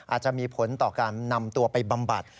อาจจะมีผลต่อการนำตัวไปบำบัด